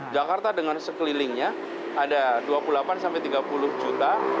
jakarta dengan sekelilingnya ada dua puluh delapan sampai tiga puluh juta